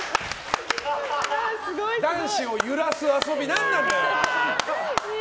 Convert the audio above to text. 男子を揺らす遊び、何なんだよ！